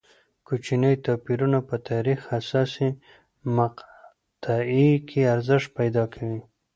کوچني توپیرونه په تاریخ حساسې مقطعې کې ارزښت پیدا کوي.